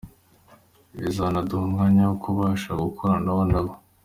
Bizanaduha umwanya wo kubasha gukorana nabo.”